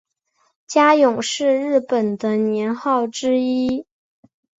嘉永是日本的年号之一。